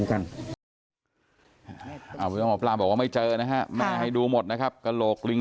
อ้าวหมอปลาบอกว่าไม่เจอนะฮะแม่ให้ดูหมดนะครับกะหลอกลิง